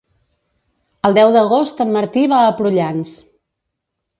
El deu d'agost en Martí va a Prullans.